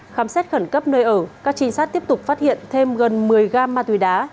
khám xét khẩn cấp nơi ở các trinh sát tiếp tục phát hiện thêm gần một mươi gam ma túy đá